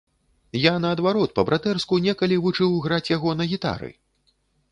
Я наадварот па-братэрску некалі вучыў граць яго на гітары!